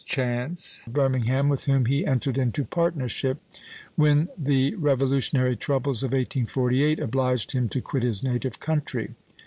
Chance of Birmingham, with whom he entered into partnership when the revolutionary troubles of 1848 obliged him to quit his native country.